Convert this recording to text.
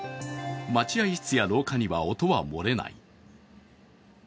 待合室や廊下には音は漏れない。